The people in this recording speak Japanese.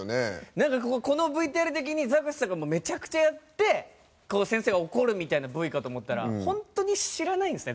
なんかこのＶＴＲ的にザコシさんがもうめちゃくちゃやってこう先生が怒るみたいなＶかと思ったら本当に知らないんですね